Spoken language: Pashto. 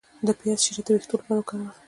د پیاز شیره د ویښتو لپاره وکاروئ